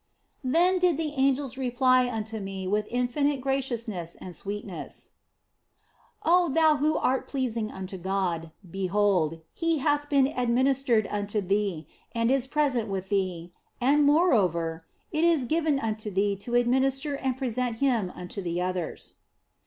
Then did the angels reply unto me with infinite graciousness and sweetness :" Oh thou who art pleasing unto God, behold, He hath been administered unto thee and is present with thee, and moreover, it is given unto thee to administer and present Him unto the others."